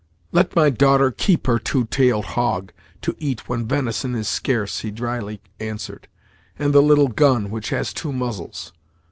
"Let my daughter keep her two tailed hog, to eat when venison is scarce," he drily answered, "and the little gun, which has two muzzles.